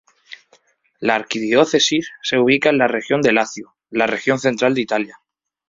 La arquidiócesis se ubica en la región de Lacio, la región central de Italia.